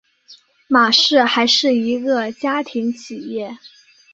玛氏还是一个家庭企业。